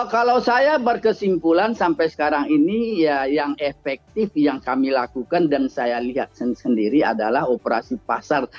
kalau saya berkesimpulan sampai sekarang ini ya yang efektif yang kami lakukan dan saya lihat sendiri adalah operasi pasar